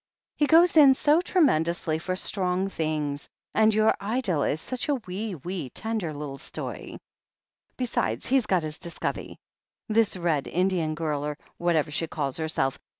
He goes in so tremendously for strong things, and your idyll is such a wee, wee tender little sto'y. Besides, he's got his discovery — ^this Red Indian girl, or whatever she calls herself.